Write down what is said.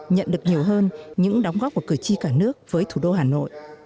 nhận được nhiều hơn những đóng góp của cử tri cả nước với thủ đô hà nội